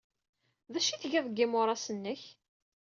D acu ay tgiḍ deg yimuras-nnek?